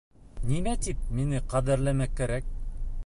Нимә тип мине ҡәҙерләмәк кәрәк?